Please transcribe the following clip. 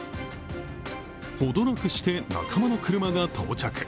ほどなくして仲間の車が到着。